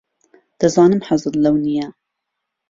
دەزانم حەزت لەو نییە.